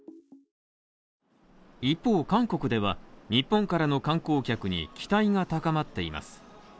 一方韓国では、日本からの観光客に期待が高まっています。